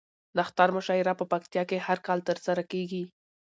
نښتر مشاعره په پکتيا کې هر کال ترسره کیږي